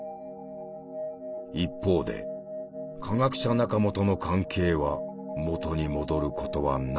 一方で科学者仲間との関係は元に戻ることはなかった。